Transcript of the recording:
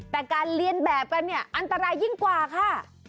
แต่การเรียนแบบกันเนี่ยอันตรายยิ่งกว่าค่ะ